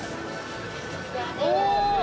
お！